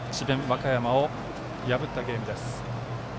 和歌山を破ったゲームです。